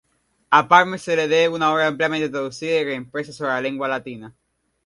A Palmer se debe una obra ampliamente traducida y reimpresa sobre la lengua latina.